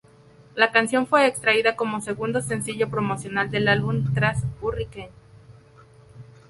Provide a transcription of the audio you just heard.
La canción fue extraída como segundo sencillo promocional del álbum, tras "Hurricane".